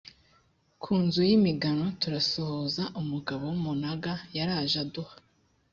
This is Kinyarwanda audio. ku nzu y imigano turasuhuza umugabo w umunaga yaraje aduha